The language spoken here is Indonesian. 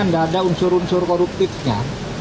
tidak ada unsur unsur koruptifnya